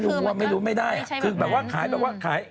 เหมือนวันนี้เราขายเป็นลุก